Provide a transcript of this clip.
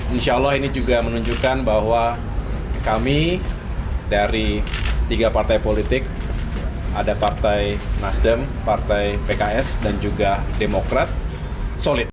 insya allah ini juga menunjukkan bahwa kami dari tiga partai politik ada partai nasdem partai pks dan juga demokrat solid